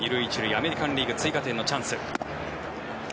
アメリカン・リーグ追加点のチャンス。